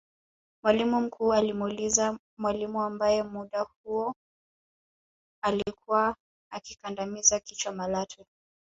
Mwalimu mkuu alimuuliza mwalimu ambaye muda huo alikuwa akimkandamiza kichwa Malatwe